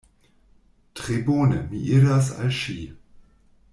Tre bone, mi iras al ŝi.